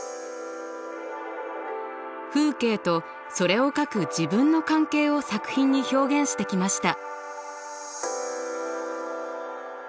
風景とそれを描く自分の関係を作品に表現してきました。